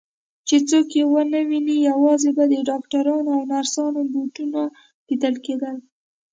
چې څوک یې ونه ویني، یوازې به د ډاکټرانو او نرسانو بوټونه لیدل کېدل.